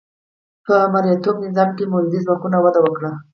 په مرئیتوب نظام کې مؤلده ځواکونو وده وکړه.